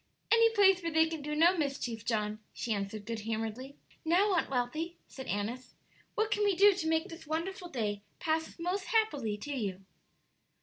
"Any place where they can do no mischief, John," she answered, good humoredly. "Now, Aunt Wealthy," said Annis, "what can we do to make this wonderful day pass most happily to you?"